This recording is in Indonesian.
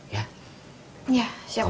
iya siap pak